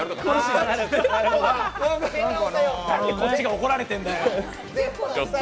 なんで、こっちが怒られてんだよ！